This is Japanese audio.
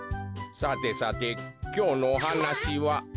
さてさてきょうのおはなしは。